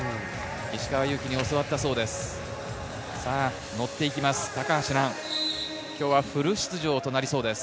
石川祐希に教わったそうです。